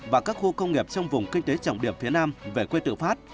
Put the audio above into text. và các khu công nghiệp trong vùng kinh tế trọng điểm phía nam về quê tự phát